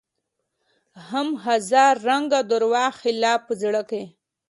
هم هزار رنګه دروغ خلاف په زړه کې